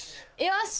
よし！